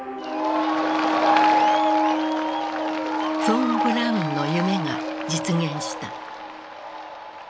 フォン・ブラウンの夢が実現した。